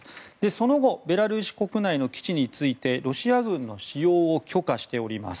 その後ベラルーシ国内の基地についてロシア軍の使用を許可しております。